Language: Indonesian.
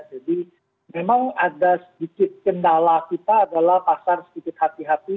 jadi memang ada sedikit kendala kita adalah pasar sedikit hati hati